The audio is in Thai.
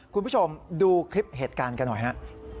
คุณผู้ชมดูคลิปเหตุการณ์กันหน่อยฮะ